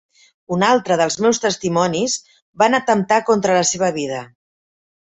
Un altre dels meus testimonis, van atemptar contra la seva vida.